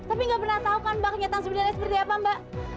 tapi nggak pernah tahu kan mbak kenyataan sebenarnya seperti apa mbak